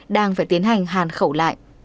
đang phải tiến hành hàn khẩu lại